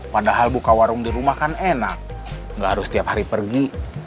padahal buka warung di rumah kan enak nggak harus setiap hari pergi